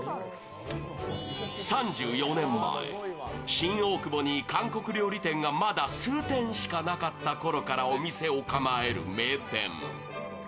新大久保に韓国料理店がまだ数店しかなかったころからお店を構える名店。